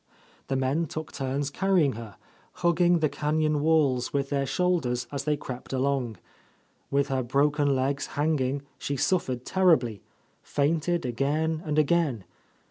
The men took turns carrying her, hugging the canyon walls with their shoulders as they crept along. With her broken legs hang ing, she suffered terribly, — fainted again and again.